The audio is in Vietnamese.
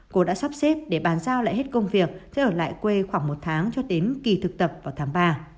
cô đã sắp xếp để bàn giao lại hết công việc sẽ ở lại quê khoảng một tháng cho đến kỳ thực tập vào tháng ba